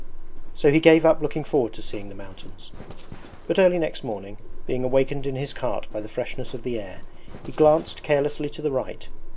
So he gave up looking forward to seeing the mountains. But early next morning, being awakened in his cart by the freshness of the air, he glanced carelessly to the right.